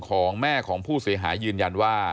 ของแม่ของผู้เสียหายยืนยันว่า